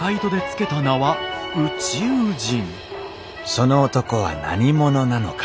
その男は何者なのか。